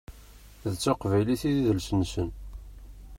D taqbaylit i d idles-nsen.